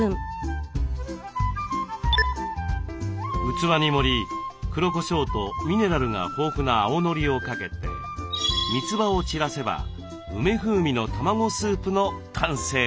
器に盛り黒こしょうとミネラルが豊富な青のりをかけてみつばを散らせば「梅風味の卵スープ」の完成です。